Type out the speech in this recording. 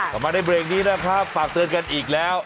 กลับมาในเบรกนี้นะครับฝากเตือนกันอีกแล้ว